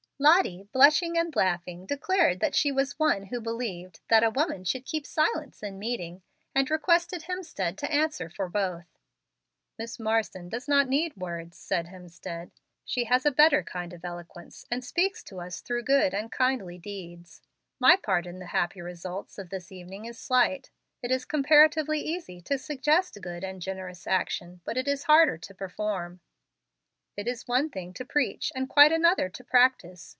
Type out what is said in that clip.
Lottie, blushing and laughing, declared that she was one who believed "that a woman should keep silence in meeting," and requested Hemstead to answer for both. "Miss Marsden does not need words," said Hemstead. "She has a better kind of eloquence, and speaks to us through good and kindly deeds. My part in the happy results of this evening is slight. It is comparatively easy to suggest good and generous action, but it is harder to perform. It is one thing to preach, and quite another to practise.